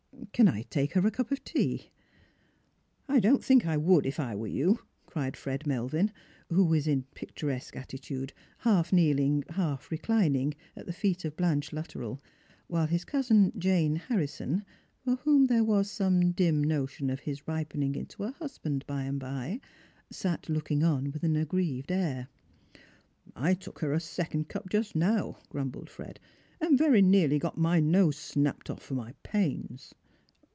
Can I take her a cup of tea? "" I don't think I would if I were you," cried Fred Melvin, who »^as in a picturesque altiiude, half kneeling, half reclining at the feet of Blanche Luttrell, while his cousin, Jane llarrisou, for whom there was some dim notion of his ripening into a husband by and by, sat looking nn ■^'\\h. an aggrieved air. " I took her Strangers and Pilgrims. 49 a second cup just now," grumbled Fred, " and very nearly got my nose snapped off for my pains."